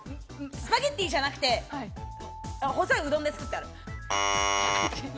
スパゲッティじゃなくて細いうどんで作ってある。